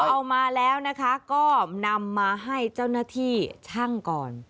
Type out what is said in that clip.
เอามาแล้วนะคะก็นำมาให้เจ้าหน้าที่ช่างก่อน